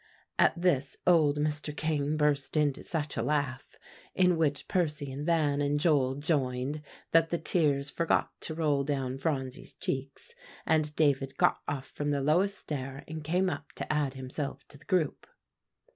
At this old Mr. King burst into such a laugh, in which Percy and Van and Joel joined, that the tears forgot to roll down Phronsie's cheeks, and David got off from the lowest stair, and came up to add himself to the group.